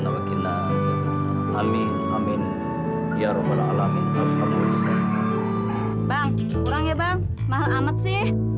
bang kurang ya bang mahal amat sih